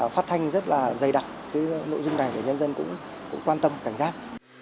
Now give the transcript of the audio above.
phát thanh rất là dày đặc cái nội dung này để nhân dân cũng quan tâm cảnh giác